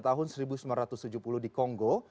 tahun seribu sembilan ratus tujuh puluh di kongo